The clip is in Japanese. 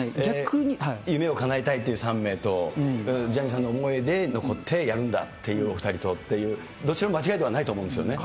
夢をかなえたいという３名と、ジャニーさんの思いで残ってやるんだっていう思いとっていう、お２人とっていう、どちらも間違いではないと思うんですよね。